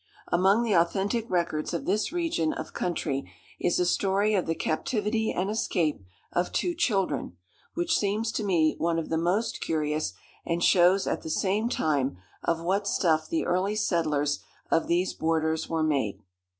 Among the authentic records of this region of country is a story of the captivity and escape of two children, which seems to me one of the most curious, and shows at the same time of what stuff the early settlers of these borders were made.